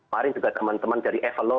paling juga teman teman dari evalo